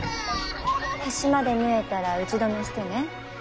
端まで縫えたらうち留めしてね。